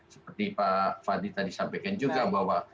seperti pak fadli tadi sampaikan juga bahwa